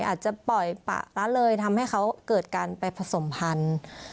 อาจจะปล่อยปะละเลยทำให้เขาเกิดการไปผสมพันธุ์